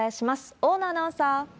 大野アナウンサー。